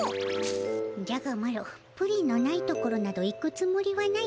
じゃがマロプリンのない所など行くつもりはないでの。